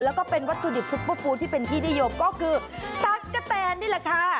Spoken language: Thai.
แล้วก็เป็นวัตถุดิบซุปเปอร์ฟู้ดที่เป็นที่นิยมก็คือตั๊กกะแตนนี่แหละค่ะ